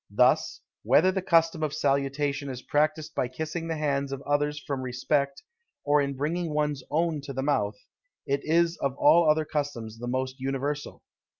Thus, whether the custom of salutation is practised by kissing the hands of others from respect, or in bringing one's own to the mouth, it is of all other customs the most universal.